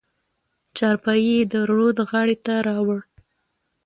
چارپايي يې د رود غاړې ته راوړه.